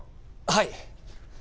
はい！